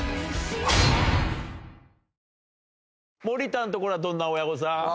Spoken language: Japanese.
森田んところはどんな親御さん？